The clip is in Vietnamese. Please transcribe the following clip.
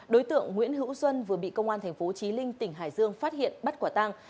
đối tượng nguyễn hữu xuân vừa bị công an tp chí linh tỉnh hải dương phát hiện bắt quả tăng